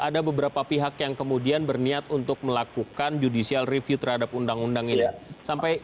ada beberapa pihak yang kemudian berniat untuk melakukan judicial review terhadap undang undang ini